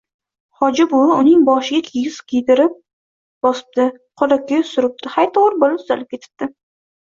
Hoji buvi uning boshiga kigiz kuydirib bosibdi, qorakuya suribdi, haytovur, bola tuzalib ketibdi.